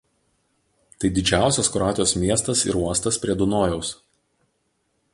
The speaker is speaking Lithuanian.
Tai didžiausias Kroatijos miestas ir uostas prie Dunojaus.